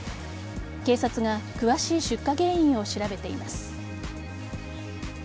警察が詳しい出火原因を調べています。